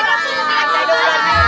enggak enggak enggak